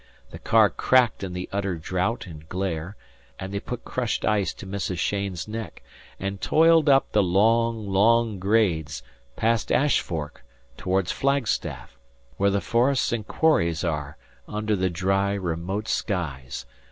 The car cracked in the utter drouth and glare, and they put crushed ice to Mrs. Cheyne's neck, and toiled up the long, long grades, past Ash Fork, towards Flagstaff, where the forests and quarries are, under the dry, remote skies.